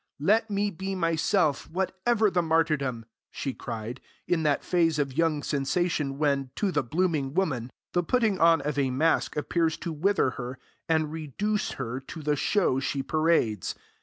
'Let me be myself, whatever the martyrdom!' she cried, in that phase of young sensation when, to the blooming woman; the putting on of a mask appears to wither her and reduce her to the show she parades.